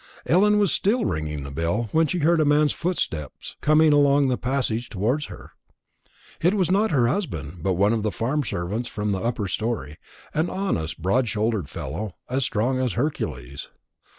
Ellen was still ringing the bell, when she heard a man's footstep coming along the passage towards her. It was not her husband, but one of the farm servants from the upper story, an honest broad shouldered fellow, as strong as Hercules.